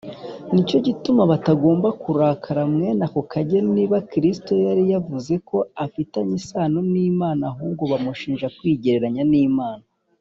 nicyo gituma batagombaga kurakara mwene ako kageni niba Kristo yari yavuzeko afitanye iyo sano n’Imana. Ahubwo bamushinjaga kwigereranya n’Imana